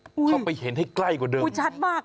เข้าไปเห็นให้ใกล้กว่าเดิมคือชัดมาก